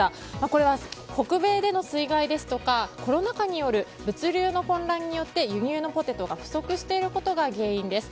これは北米での水害やコロナ禍による物流の混乱によって輸入のポテトが不足していることが原因です。